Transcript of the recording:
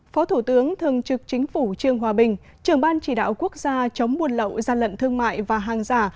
phó thủ tướng thường trực chính phủ trương hòa bình trưởng ban chỉ đạo quốc gia chống buôn lậu gian lận thương mại và hàng giả